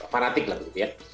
fanatik lah gitu ya